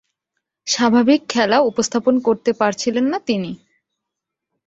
স্বাভাবিক খেলা উপস্থাপন করতে পারছিলেন না তিনি।